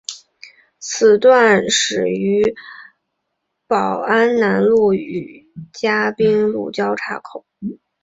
此段始于宝安南路与嘉宾路交叉口。